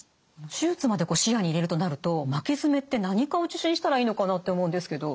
手術まで視野に入れるとなると巻き爪って何科を受診したらいいのかなって思うんですけど。